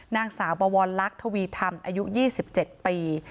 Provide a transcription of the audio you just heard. นางสาวบวรลักษณ์ทวีธรรมอายุ๒๗ปี